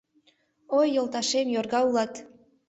Ой, йолташем, йорга улат